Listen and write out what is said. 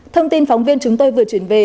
thông tin phóng viên chúng tôi vừa chuyển về